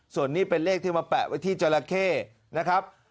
ส่วนนี้เป็นเลขที่มาแปะไว้ที่จราเข้นะครับ